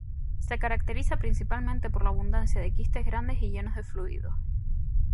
Se caracteriza principalmente por la abundancia de quistes grandes y llenos de fluidos.